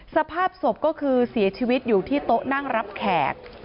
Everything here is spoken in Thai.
สภาพศพก็คือเสียชีวิตอยู่ที่โต๊ะนั่งรับแขก